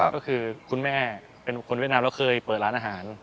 ก็คือคุณแม่เป็นคนเวียดนามแล้วเคยเปิดร้านอาหาร